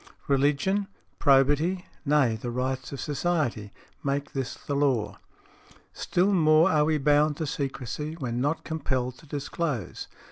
Religion, |94| probity, nay, the rights of society, make this the law. Still more are we bound to secrecy when not compelled to disclose.